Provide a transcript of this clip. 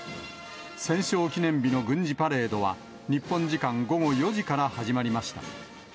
戦勝記念日の軍事パレードは、日本時間午後４時から始まりました。